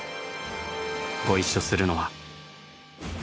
ご一緒するのは。